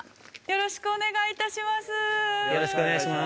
◆よろしくお願いします。